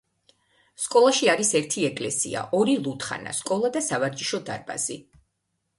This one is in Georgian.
სოფელში არის ერთი ეკლესია, ორი ლუდხანა, სკოლა და სავარჯიშო დარბაზი.